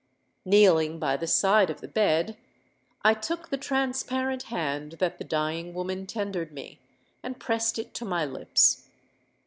"Kneeling by the side of the bed, I took the transparent hand that the dying woman tendered me, and pressed it to my lips.